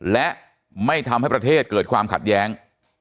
และไม่ทำให้ประเทศเกิดความขัดแย้ง